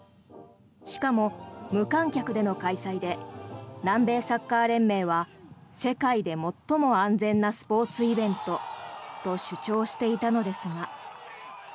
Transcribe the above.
しかも、無観客での開催で南米サッカー連盟は世界で最も安全なスポーツイベントと主張していたのですが。